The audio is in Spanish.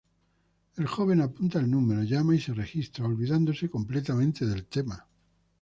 El joven apunta el número, llama y se registra, olvidándose completamente del tema.